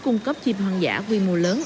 cung cấp chim hoang dã quy mô lớn